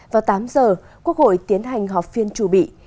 vào tám giờ quốc hội tiến hành họp phiên trù bị